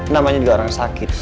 namanya juga orang sakit